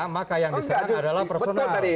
maka yang diserang adalah personal